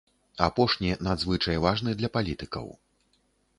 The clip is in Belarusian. Апошні надзвычай важны для палітыкаў.